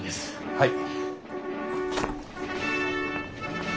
はい。